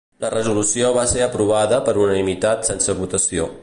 La resolució va ser aprovada per unanimitat sense votació.